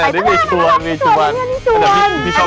ไปด้วยมั้ยพี่สวนพี่สวน